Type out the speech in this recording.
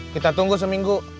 kita tunggu seminggu